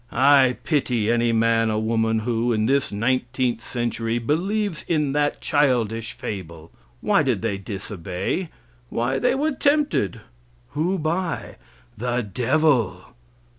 I pity any man or woman who, in this nineteenth century, believes in that childish fable. Why did they disobey? Why, they were tempted. Who by? The devil.